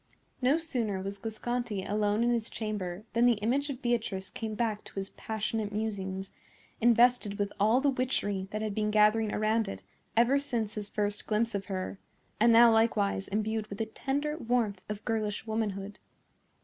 No sooner was Guasconti alone in his chamber than the image of Beatrice came back to his passionate musings, invested with all the witchery that had been gathering around it ever since his first glimpse of her, and now likewise imbued with a tender warmth of girlish womanhood.